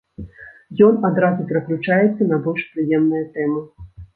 Ён адразу пераключаецца на больш прыемныя тэмы.